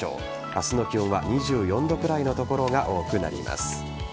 明日の気温は２４度くらいの所が多くなります。